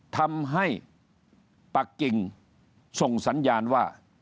ทำให้ปักกิ่งส่งสัญญาณว่า